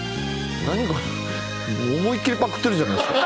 思いっ切りパクってるじゃないですか。